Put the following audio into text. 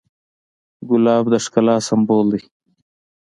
ګلاب د ښکلا سمبول دی.